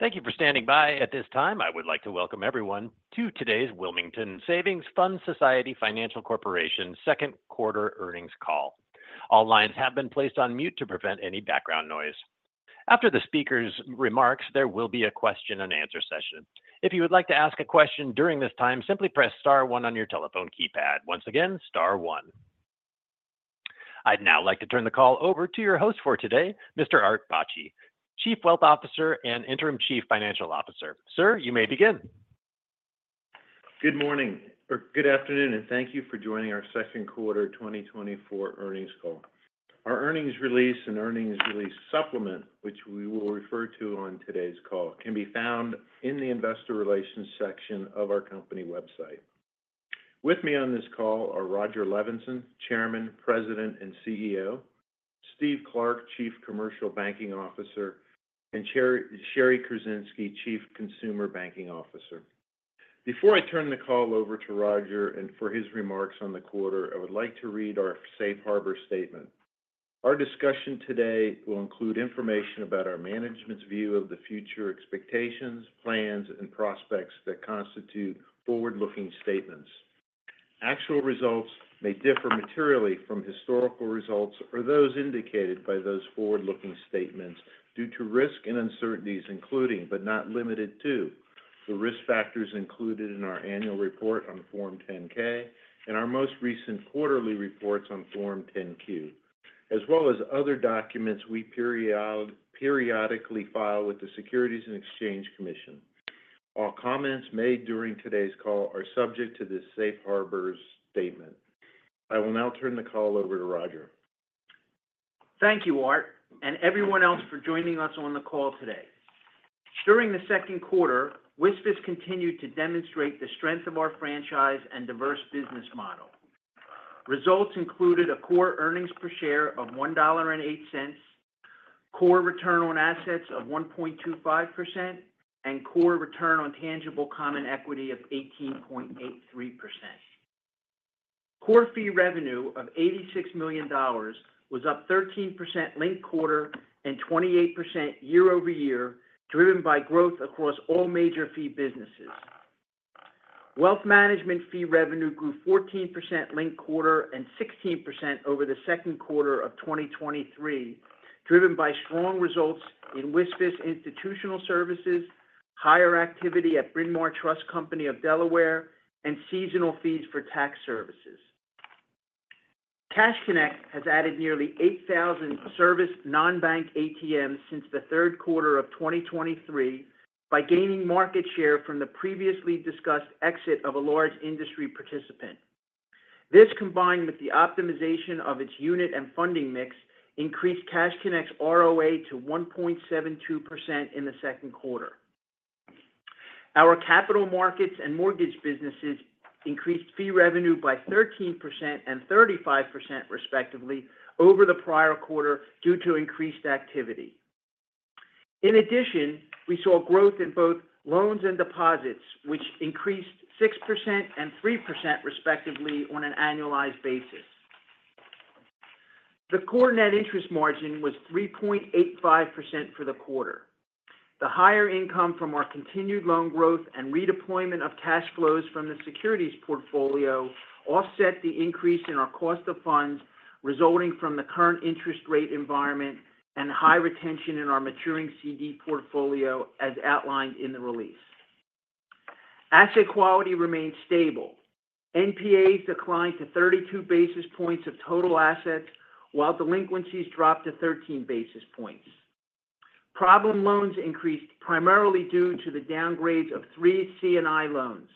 Thank you for standing by. At this time, I would like to welcome everyone to today's Wilmington Savings Fund Society Financial Corporation Q2 earnings call. All lines have been placed on mute to prevent any background noise. After the speaker's remarks, there will be a question-and-answer session. If you would like to ask a question during this time, simply press star one on your telephone keypad. Once again, star one. I'd now like to turn the call over to your host for today, Mr. Art Bacci, Chief Wealth Officer and Interim Chief Financial Officer. Sir, you may begin. Good morning or good afternoon, and thank you for joining our Q2 2024 earnings call. Our earnings release and earnings release supplement, which we will refer to on today's call, can be found in the Investor Relations section of our company website. With me on this call are Rodger Levenson, Chairman, President, and CEO, Steve Clark, Chief Commercial Banking Officer, and Shari Kruzinski, Chief Consumer Banking Officer. Before I turn the call over to Rodger and for his remarks on the quarter, I would like to read our safe harbor statement. Our discussion today will include information about our management's view of the future expectations, plans, and prospects that constitute forward-looking statements. Actual results may differ materially from historical results or those indicated by those forward-looking statements due to risks and uncertainties, including, but not limited to, the risk factors included in our annual report on Form 10-K and our most recent quarterly reports on Form 10-Q, as well as other documents we periodically file with the Securities and Exchange Commission. All comments made during today's call are subject to these safe harbors statement. I will now turn the call over to Rodger. Thank you, Art, and everyone else for joining us on the call today. During the Q2, WSFS continued to demonstrate the strength of our franchise and diverse business model. Results included a core earnings per share of $1.08, core return on assets of 1.25%, and core return on tangible common equity of 18.83%. Core fee revenue of $86 million was up 13% linked quarter and 28% year-over-year, driven by growth across all major fee businesses. Wealth management fee revenue grew 14% linked quarter and 16% over the Q2 of 2023, driven by strong results in WSFS Institutional Services, higher activity at Bryn Mawr Trust Company of Delaware, and seasonal fees for tax services. Cash Connect has added nearly 8,000 service non-bank ATMs since the Q3 of 2023 by gaining market share from the previously discussed exit of a large industry participant. This, combined with the optimization of its unit and funding mix, increased Cash Connect's ROA to 1.27% in the Q2. Our capital markets and mortgage businesses increased fee revenue by 13% and 35%, respectively, over the prior quarter due to increased activity. In addition, we saw growth in both loans and deposits, which increased 6% and 3%, respectively, on an annualized basis. The core net interest margin was 3.85% for the quarter. The higher income from our continued loan growth and redeployment of cash flows from the securities portfolio offset the increase in our cost of funds resulting from the current interest rate environment and high retention in our maturing CD portfolio, as outlined in the release. Asset quality remained stable. NPAs declined to 32 basis points of total assets, while delinquencies dropped to 13 basis points. Problem loans increased primarily due to the downgrades of three C&I loans.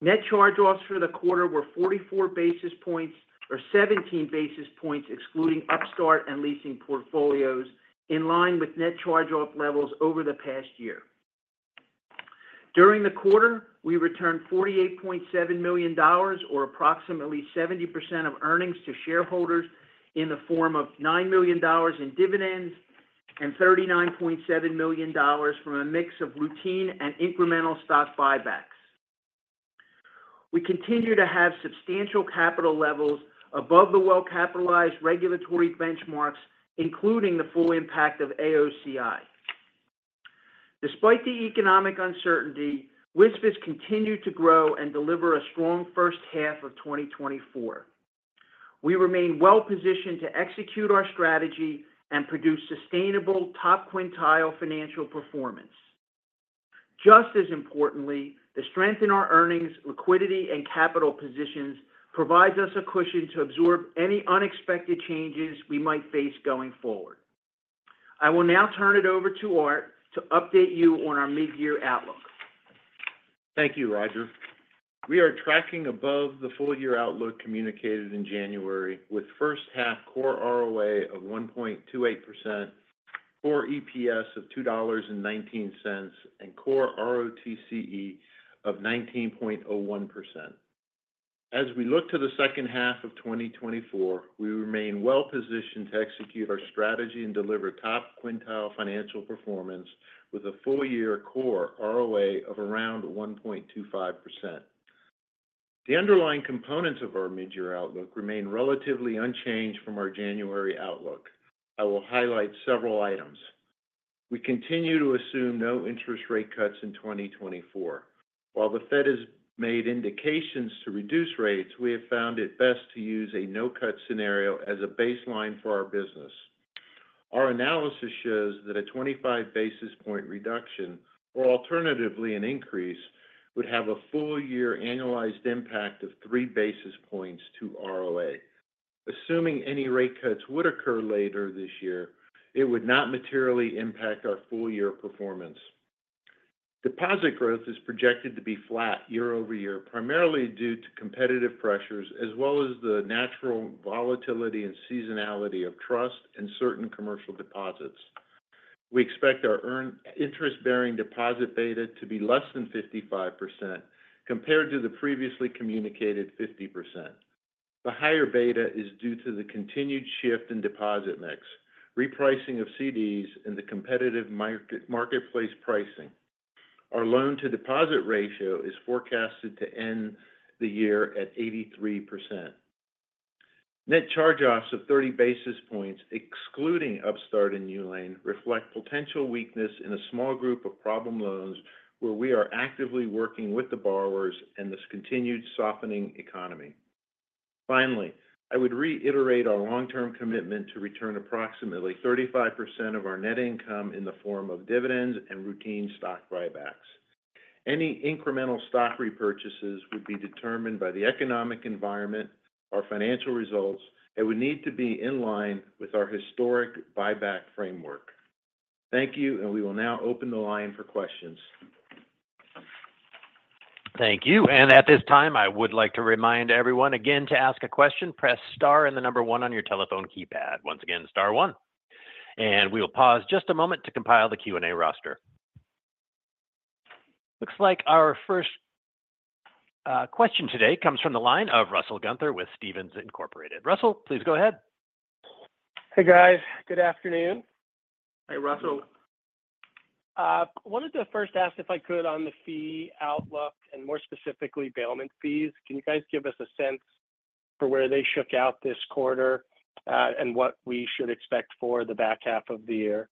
Net charge-offs for the quarter were 44 basis points, or 17 basis points, excluding Upstart and leasing portfolios, in line with net charge-off levels over the past year. During the quarter, we returned $48.7 million, or approximately 70% of earnings, to shareholders in the form of $9 million in dividends and $39.7 million from a mix of routine and incremental stock buybacks. We continue to have substantial capital levels above the well-capitalized regulatory benchmarks, including the full impact of AOCI. Despite the economic uncertainty, WSFS continued to grow and deliver a strong first half of 2024. We remain well positioned to execute our strategy and produce sustainable top-quintile financial performance. Just as importantly, the strength in our earnings, liquidity, and capital positions provides us a cushion to absorb any unexpected changes we might face going forward. I will now turn it over to Art to update you on our mid-year outlook. Thank you, Rodger. We are tracking above the full-year outlook communicated in January with first half core ROA of 1.28%, core EPS of $2.19, and core ROTCE of 19.01%. As we look to the second half of 2024, we remain well positioned to execute our strategy and deliver top-quintile financial performance with a full-year core ROA of around 1.25%. The underlying components of our mid-year outlook remain relatively unchanged from our January outlook. I will highlight several items. We continue to assume no interest rate cuts in 2024. While the Fed has made indications to reduce rates, we have found it best to use a no-cut scenario as a baseline for our business. Our analysis shows that a 25 basis point reduction, or alternatively an increase, would have a full year annualized impact of 3 basis points to ROA. Assuming any rate cuts would occur later this year, it would not materially impact our full year performance. Deposit growth is projected to be flat year-over-year, primarily due to competitive pressures, as well as the natural volatility and seasonality of trust and certain commercial deposits. We expect our earned interest-bearing deposit beta to be less than 55% compared to the previously communicated 50%. The higher beta is due to the continued shift in deposit mix, repricing of CDs, and the competitive marketplace pricing. Our loan to deposit ratio is forecasted to end the year at 83%. Net charge-offs of 30 basis points, excluding Upstart and NewLane, reflect potential weakness in a small group of problem loans where we are actively working with the borrowers and this continued softening economy. Finally, I would reiterate our long-term commitment to return approximately 35% of our net income in the form of dividends and routine stock buybacks. Any incremental stock repurchases would be determined by the economic environment, our financial results, and would need to be in line with our historic buyback framework. Thank you, and we will now open the line for questions. Thank you. And at this time, I would like to remind everyone again, to ask a question, press star and the number one on your telephone keypad. Once again, star one. And we will pause just a moment to compile the Q&A roster. Looks like our first question today comes from the line of Russell Gunther with Stephens Incorporated. Russell, please go ahead. Hey, guys. Good afternoon. Hey, Russell. Wanted to first ask if I could on the fee outlook and more specifically, bailment fees. Can you guys give us a sense for where they shook out this quarter, and what we should expect for the back half of the year?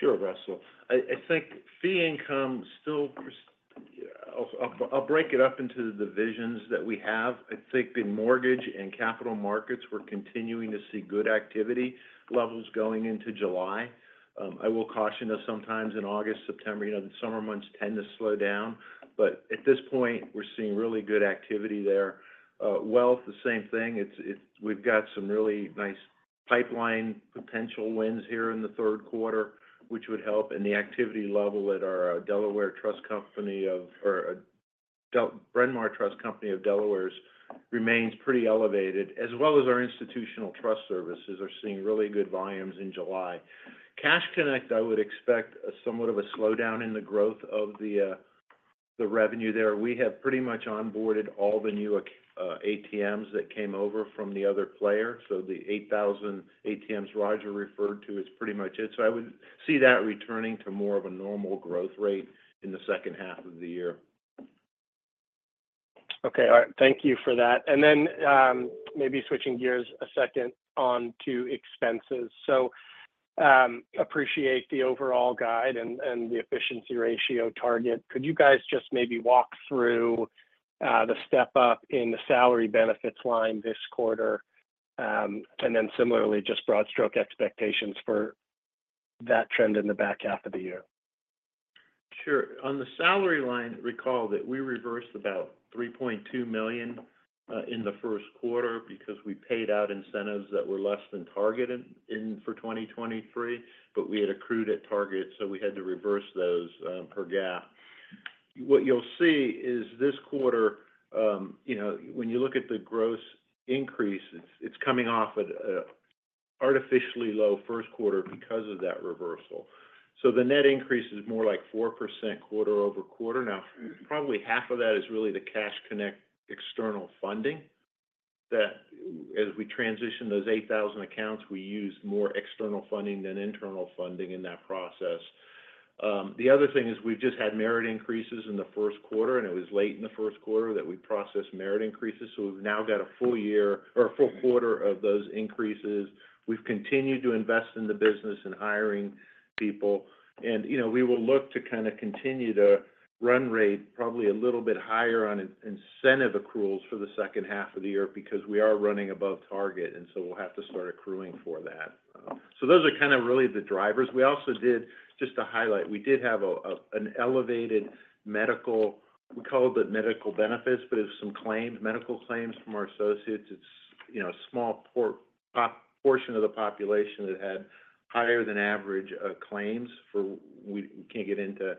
Sure, Russell. I think fee income still... I'll break it up into the divisions that we have. I think in Mortgage and capital markets, we're continuing to see good activity levels going into July. I will caution that sometimes in August, September, you know, the summer months tend to slow down, but at this point, we're seeing really good activity there. Wealth, the same thing. It's. It's, we've got some really nice pipeline potential wins here in the Q3, which would help in the activity level at our Delaware Trust Company of Delaware, or Bryn Mawr Trust Company of Delaware remains pretty elevated, as well as our institutional trust services are seeing really good volumes in July. Cash Connect, I would expect somewhat of a slowdown in the growth of the revenue there. We have pretty much onboarded all the new ATMs that came over from the other player. The 8,000 ATMs Rodger referred to is pretty much it. I would see that returning to more of a normal growth rate in the second half of the year. Okay. All right. Thank you for that. And then, maybe switching gears a second on to expenses. So, appreciate the overall guide and, and the efficiency ratio target. Could you guys just maybe walk through the step-up in the salary benefits line this quarter? And then similarly, just broad stroke expectations for that trend in the back half of the year. Sure. On the salary line, recall that we reversed about $3.2 million in the Q1 because we paid out incentives that were less than targeted in 2023, but we had accrued at target, so we had to reverse those per GAAP. What you'll see is this quarter, you know, when you look at the gross increase, it's coming off at an artificially low Q1 because of that reversal. So the net increase is more like 4% quarter-over-quarter. Now, probably half of that is really the Cash Connect external funding, that as we transition those 8,000 accounts, we use more external funding than internal funding in that process. The other thing is we've just had merit increases in the Q1, and it was late in the Q1 that we processed merit increases, so we've now got a full year or a full quarter of those increases. We've continued to invest in the business and hiring people. And, you know, we will look to kind of continue to run rate, probably a little bit higher on incentive accruals for the second half of the year because we are running above target, and so we'll have to start accruing for that. So those are kind of really the drivers. We also did, just to highlight, we did have an elevated medical. We call it the medical benefits, but it's some claims, medical claims from our associates. It's, you know, a small portion of the population that had higher than average claims. We can't get into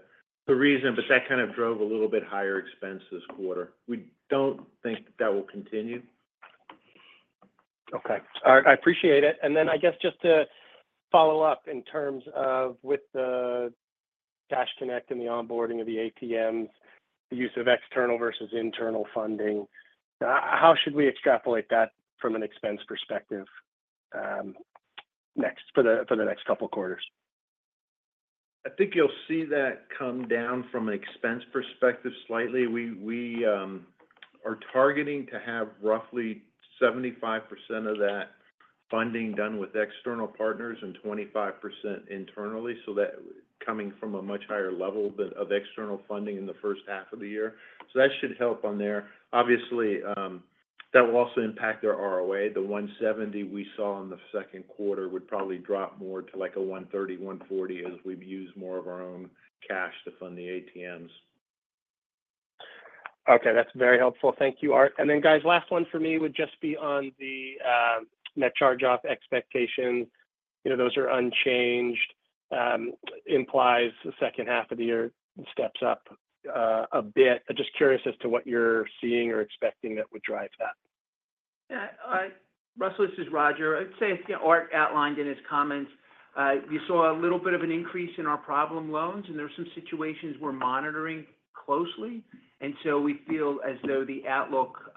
the reason, but that kind of drove a little bit higher expense this quarter. We don't think that will continue. Okay. All right, I appreciate it. And then I guess just to follow up in terms of with the Cash Connect and the onboarding of the ATMs, the use of external versus internal funding, how should we extrapolate that from an expense perspective, next, for the next couple of quarters? I think you'll see that come down from an expense perspective slightly. We are targeting to have roughly 75% of that funding done with external partners and 25% internally, so that coming from a much higher level of external funding in the first half of the year. So that should help on there. Obviously, that will also impact our ROA. The 1.70% we saw in the Q2 would probably drop more to, like, a 1.30%-1.40% as we've used more of our own cash to fund the ATMs. Okay, that's very helpful. Thank you, Art. And then, guys, last one for me would just be on the net charge-off expectation. You know, those are unchanged, implies the second half of the year steps up a bit. Just curious as to what you're seeing or expecting that would drive that. Yeah, Russell, this is Rodger. I'd say, as Art outlined in his comments, we saw a little bit of an increase in our problem loans, and there are some situations we're monitoring closely, and so we feel as though the outlook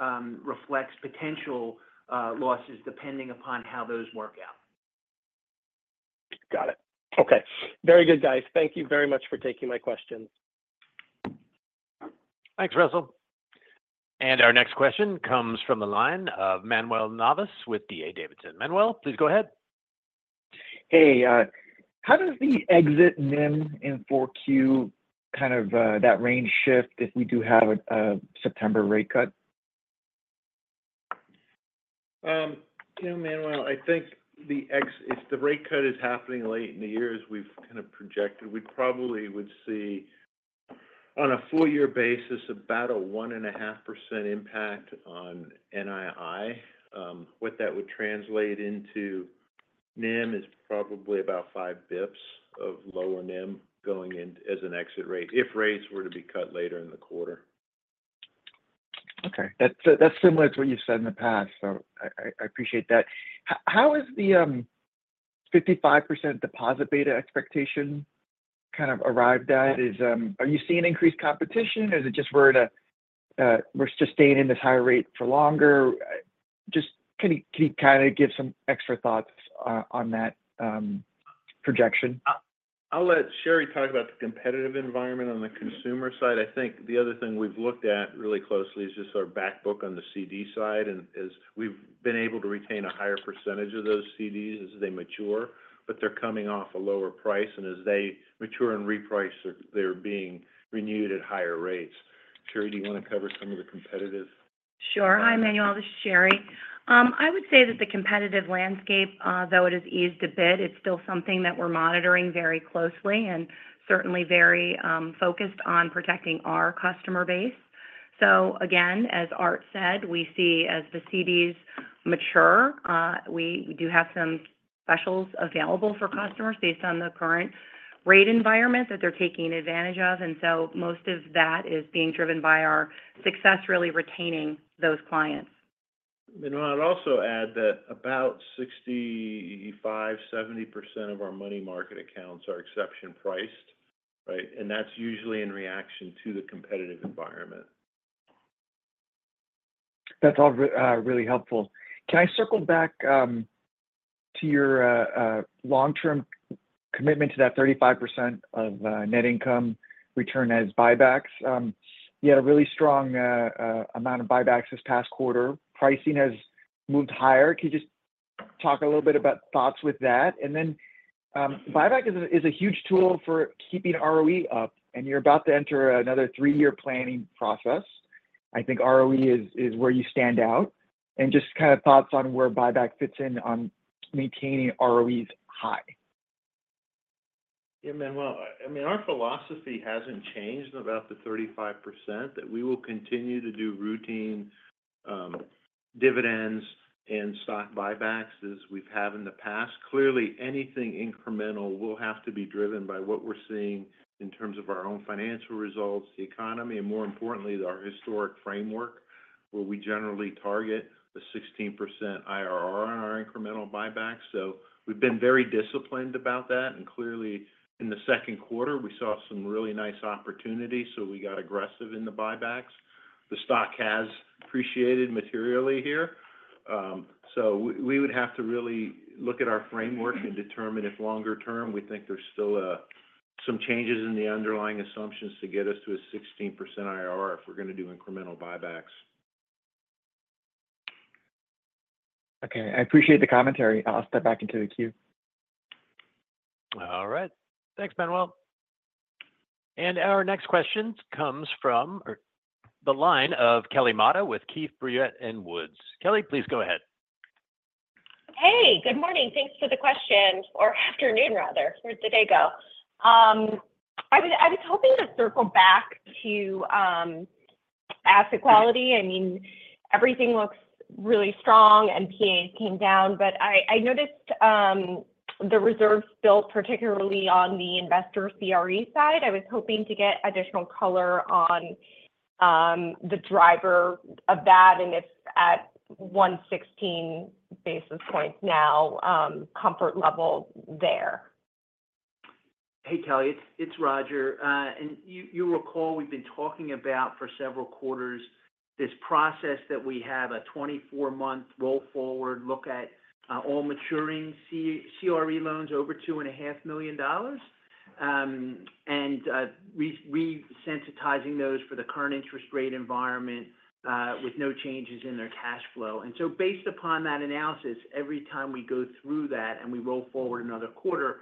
reflects potential losses, depending upon how those work out. Got it. Okay. Very good, guys. Thank you very much for taking my questions. Thanks, Russell. Our next question comes from the line of Manuel Navas with D.A. Davidson. Manuel, please go ahead. Hey, how does the exit NIM in Q4 kind of that range shift if we do have a September rate cut? You know, Manuel, I think if the rate cut is happening late in the year, as we've kind of projected, we probably would see on a full year basis about a 1.5% impact on NII. What that would translate into NIM is probably about five bps of lower NIM going in as an exit rate, if rates were to be cut later in the quarter. Okay. That's similar to what you've said in the past, so I appreciate that. How is the 55% deposit beta expectation kind of arrived at? Are you seeing increased competition? Is it just we're at a -- we're sustaining this higher rate for longer? Just can you kind of give some extra thoughts on that projection? I'll let Shari talk about the competitive environment on the consumer side. I think the other thing we've looked at really closely is just our back book on the CD side, and as we've been able to retain a higher percentage of those CDs as they mature, but they're coming off a lower price, and as they mature and reprice, they're being renewed at higher rates. Shari, do you want to cover some of the competitive? Sure. Hi, Manuel, this is Shari. I would say that the competitive landscape, though it has eased a bit, it's still something that we're monitoring very closely and certainly very focused on protecting our customer base. So again, as Art said, we see as the CDs mature, we do have some specials available for customers based on the current rate environment that they're taking advantage of, and so most of that is being driven by our success really retaining those clients. Manuel, I'd also add that about 65%-70% of our money market accounts are exception priced, right? That's usually in reaction to the competitive environment. That's all really helpful. Can I circle back to your long-term commitment to that 35% of net income return as buybacks? You had a really strong amount of buybacks this past quarter. Pricing has moved higher. Can you just talk a little bit about thoughts with that? And then, buyback is a huge tool for keeping ROE up, and you're about to enter another three-year planning process. I think ROE is where you stand out. And just kind of thoughts on where buyback fits in on maintaining ROEs high. Yeah, Manuel, I mean, our philosophy hasn't changed about the 35%, that we will continue to do routine dividends and stock buybacks as we've had in the past. Clearly, anything incremental will have to be driven by what we're seeing in terms of our own financial results, the economy, and more importantly, our historic framework, where we generally target a 16% IRR on our incremental buybacks. So we've been very disciplined about that, and clearly, in the Q2, we saw some really nice opportunities, so we got aggressive in the buybacks. The stock has appreciated materially here. So we would have to really look at our framework and determine if longer term, we think there's still some changes in the underlying assumptions to get us to a 16% IRR if we're going to do incremental buybacks. Okay. I appreciate the commentary. I'll step back into the queue. All right. Thanks, Manuel. And our next question comes from the line of Kelly Motta with Keefe, Bruyette & Woods. Kelly, please go ahead. Hey, good morning. Thanks for the question. Or afternoon, rather. Where did the day go? I was hoping to circle back to asset quality. I mean, everything looks really strong and NPAs came down, but I noticed the reserves built, particularly on the investor CRE side. I was hoping to get additional color on the driver of that, and it's at 116 basis points now, comfort level there. Hey, Kelly, it's Rodger. You recall, we've been talking about for several quarters: this process that we have a 24-month roll forward look at all maturing CRE loans over $2.5 million. And resensitizing those for the current interest rate environment with no changes in their cash flow. And so based upon that analysis, every time we go through that and we roll forward another quarter,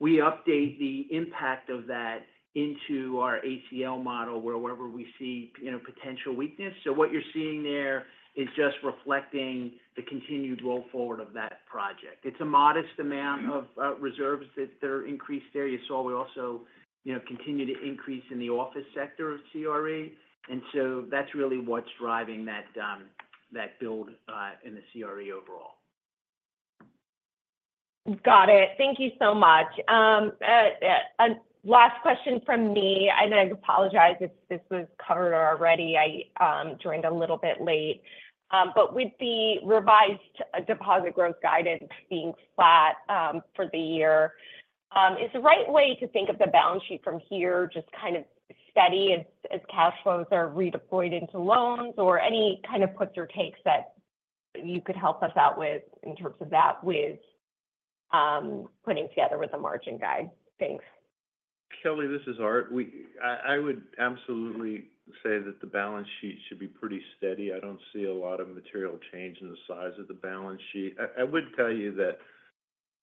we update the impact of that into our ACL model wherever we see, you know, potential weakness. So what you're seeing there is just reflecting the continued roll forward of that project. It's a modest amount of reserves that are increased there. You saw we also, you know, continue to increase in the office sector of CRE, and so that's really what's driving that build in the CRE overall. Got it. Thank you so much. Last question from me, and I apologize if this was covered already. I joined a little bit late. But with the revised deposit growth guidance being flat for the year, is the right way to think of the balance sheet from here just kind of steady as cash flows are redeployed into loans or any kind of puts or takes that you could help us out with in terms of that, putting together with the margin guide? Thanks. Kelly, this is Art. I would absolutely say that the balance sheet should be pretty steady. I don't see a lot of material change in the size of the balance sheet. I would tell you that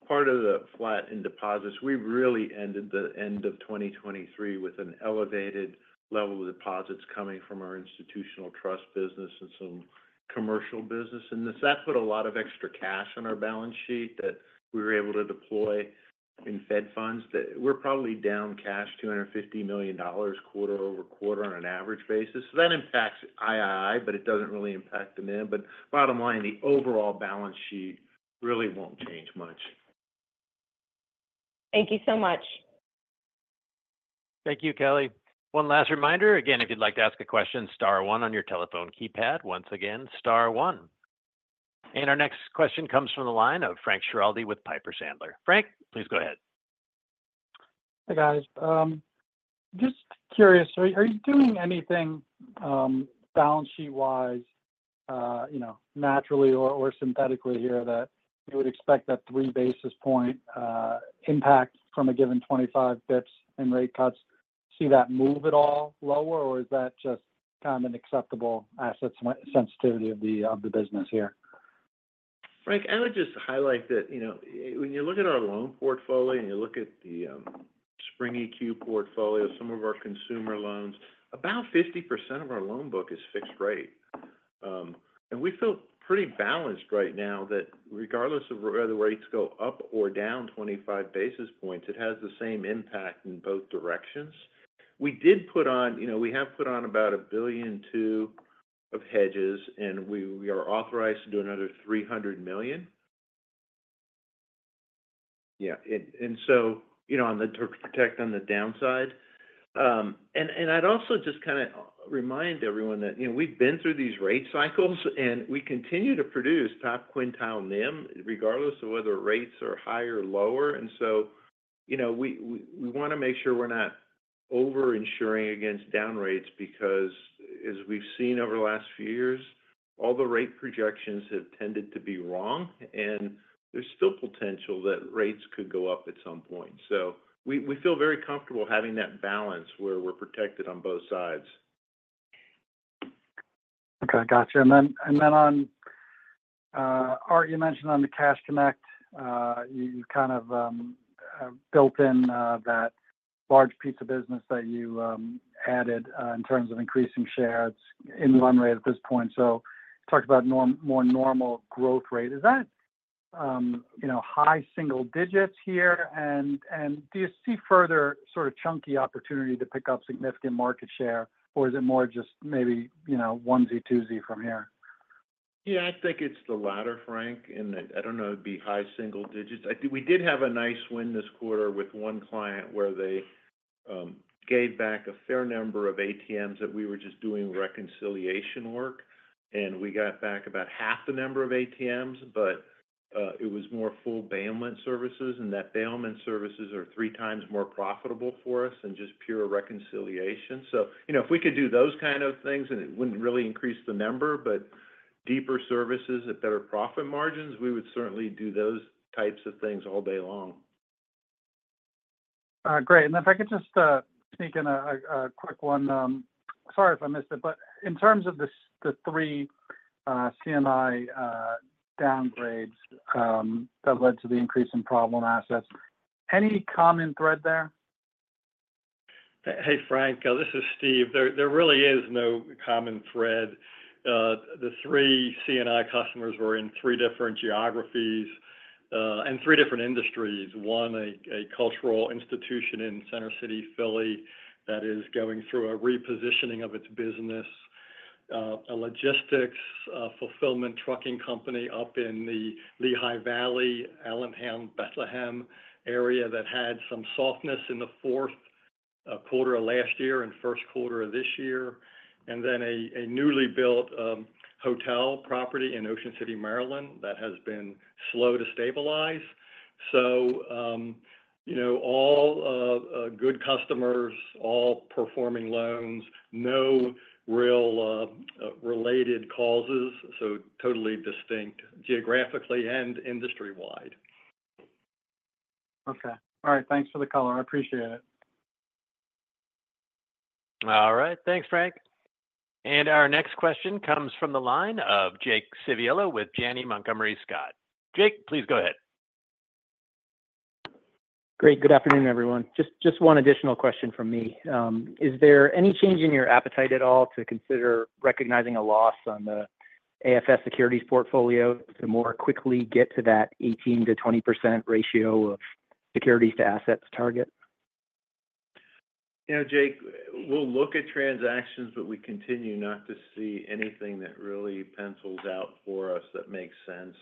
part of the flat in deposits, we really ended the end of 2023 with an elevated level of deposits coming from our institutional trust business and some commercial business. And that put a lot of extra cash on our balance sheet that we were able to deploy in Fed funds, that we're probably down cash $250 million quarter-over-quarter on an average basis. So that impacts NII, but it doesn't really impact the NIM. Bottom line, the overall balance sheet really won't change much. Thank you so much. Thank you, Kelly. One last reminder, again, if you'd like to ask a question, star one on your telephone keypad. Once again, star one. And our next question comes from the line of Frank Schiraldi with Piper Sandler. Frank, please go ahead. Hi, guys. Just curious, are you doing anything, balance sheet-wise, you know, naturally or synthetically here, that you would expect that 3 basis point impact from a given 25 basis points and rate cuts? See that move at all lower, or is that just kind of an acceptable asset sensitivity of the business here? Frank, I would just highlight that, you know, when you look at our loan portfolio and you look at the Spring EQ portfolio, some of our consumer loans, about 50% of our loan book is fixed rate. And we feel pretty balanced right now that regardless of whether rates go up or down 25 basis points, it has the same impact in both directions. We did put on—you know, we have put on about $1.2 billion of hedges, and we are authorized to do another $300 million. Yeah, and so, you know, on the to protect on the downside. And I'd also just kind of remind everyone that, you know, we've been through these rate cycles, and we continue to produce top quintile NIM, regardless of whether rates are higher or lower. And so, you know, we want to make sure we're not overinsuring against down rates, because as we've seen over the last few years, all the rate projections have tended to be wrong, and there's still potential that rates could go up at some point. So we feel very comfortable having that balance where we're protected on both sides. Okay, gotcha. And then on Art, you mentioned on the Cash Connect, you kind of built in that large piece of business that you added in terms of increasing shares in one rate at this point. So talk about more normal growth rate. Is that, you know, high single digits here? And do you see further sort of chunky opportunity to pick up significant market share, or is it more just maybe, you know, onesie, twosie from here? Yeah, I think it's the latter, Frank, and I don't know it'd be high-single digits. I think we did have a nice win this quarter with one client where they gave back a fair number of ATMs that we were just doing reconciliation work, and we got back about half the number of ATMs, but it was more full bailment services, and that bailment services are three times more profitable for us than just pure reconciliation. So, you know, if we could do those kind of things, and it wouldn't really increase the number, but deeper services at better profit margins, we would certainly do those types of things all day long. Great. If I could just sneak in a quick one. Sorry if I missed it, but in terms of the three C&I downgrades that led to the increase in problem assets, any common thread there? Hey, Frank, this is Steve. There really is no common thread. The three C&I customers were in three different geographies and three different industries. One, a cultural institution in Center City, Philly, that is going through a repositioning of its business. A logistics fulfillment trucking company up in the Lehigh Valley, Allentown, Bethlehem area that had some softness in the Q4 of last year and Q1 of this year. And then a newly built hotel property in Ocean City, Maryland, that has been slow to stabilize. So, you know, all good customers, all performing loans, no real related causes, so totally distinct geographically and industry-wide. Okay. All right, thanks for the call, I appreciate it. All right, thanks, Frank. Our next question comes from the line of Jake Civiello with Janney Montgomery Scott. Jake, please go ahead. Great. Good afternoon, everyone. Just one additional question from me. Is there any change in your appetite at all to consider recognizing a loss on the AFS securities portfolio to more quickly get to that 18%-20% ratio of securities to assets target? You know, Jake, we'll look at transactions, but we continue not to see anything that really pencils out for us that makes sense.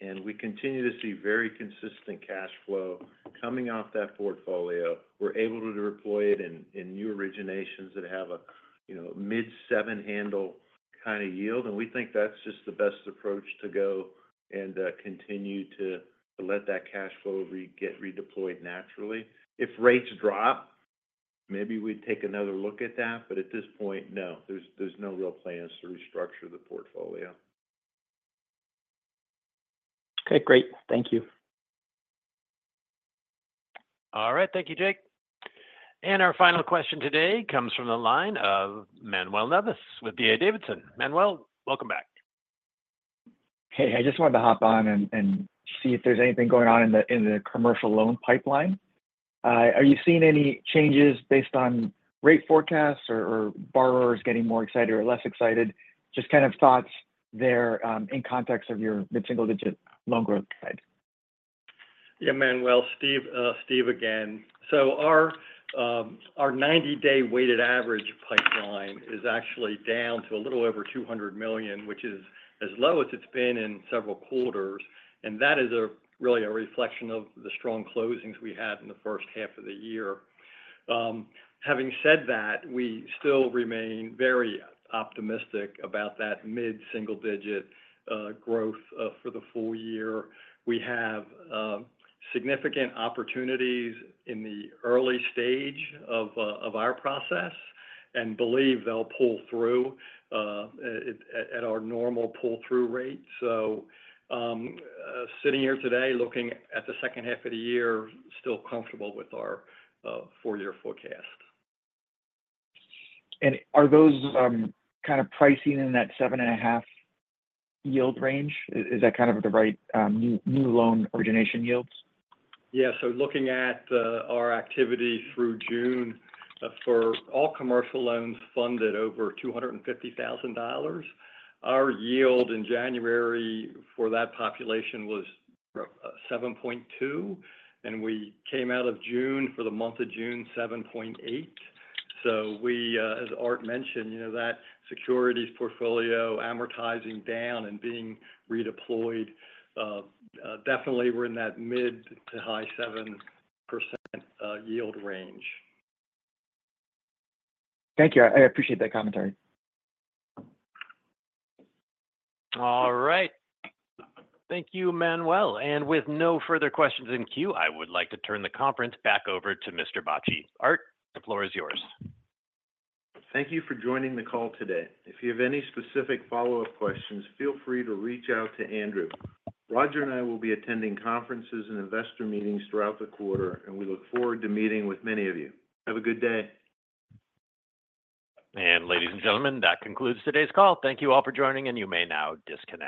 And we continue to see very consistent cash flow coming off that portfolio. We're able to deploy it in new originations that have a, you know, mid-seven handle kind of yield, and we think that's just the best approach to go and continue to let that cash flow get redeployed naturally. If rates drop, maybe we'd take another look at that, but at this point, no, there's no real plans to restructure the portfolio. Okay, great. Thank you. All right, thank you, Jake. Our final question today comes from the line of Manuel Navas with D.A. Davidson. Manuel, welcome back. Hey, I just wanted to hop on and see if there's anything going on in the commercial loan pipeline. Are you seeing any changes based on rate forecasts or borrowers getting more excited or less excited? Just kind of thoughts there, in context of your mid-single digit loan growth guide. Yeah, Manuel, Steve, Steve again. So our 90-day weighted average pipeline is actually down to a little over $200 million, which is as low as it's been in several quarters, and that is really a reflection of the strong closings we had in the first half of the year. Having said that, we still remain very optimistic about that mid-single-digit growth for the full year. We have significant opportunities in the early stage of our process and believe they'll pull through at our normal pull-through rate. So, sitting here today, looking at the second half of the year, still comfortable with our four-year forecast. Are those kind of pricing in that 7.5 yield range? Is that kind of the right new loan origination yields? Yeah. So looking at our activity through June, for all commercial loans funded over $250,000, our yield in January for that population was 7.2%, and we came out of June, for the month of June, 7.8%. So we, as Art mentioned, you know, that securities portfolio amortizing down and being redeployed, definitely we're in that mid-to-high-7% yield range. Thank you. I appreciate that commentary. All right. Thank you, Manuel. And with no further questions in queue, I would like to turn the conference back over to Mr. Bacci. Art, the floor is yours. Thank you for joining the call today. If you have any specific follow-up questions, feel free to reach out to Andrew. Rodger and I will be attending conferences and investor meetings throughout the quarter, and we look forward to meeting with many of you. Have a good day. Ladies and gentlemen, that concludes today's call. Thank you all for joining, and you may now disconnect.